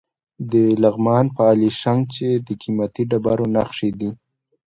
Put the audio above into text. د لغمان په علیشنګ کې د قیمتي ډبرو نښې دي.